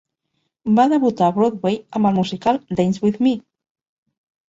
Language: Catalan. Va debutar a Broadway amb el musical "Dance with Me".